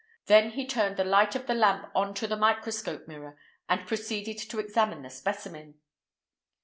Then he turned the light of the lamp on to the microscope mirror and proceeded to examine the specimen.